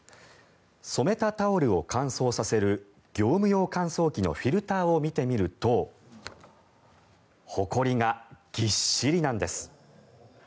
染めたタオルを乾燥させる業務用乾燥機のフィルターを見てみるとほこりがぎっしりなんです。